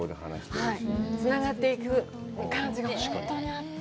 つながっていく感じがね。